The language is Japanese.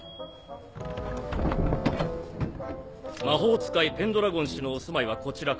魔法使いペンドラゴン師のお住まいはこちらか？